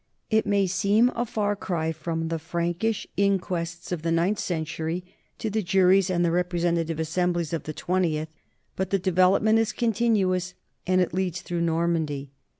It may seem a far cry from the Prankish inquests of the ninth century to the juries and the representative assemblies of the twentieth, but the development is continuous, and it leads through Normandy.